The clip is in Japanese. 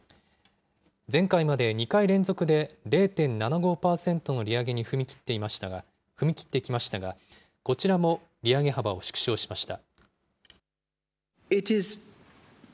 前回まで２回連続で０．７５％の利上げに踏み切ってきましたが、こちらも利上げ幅を縮小しました。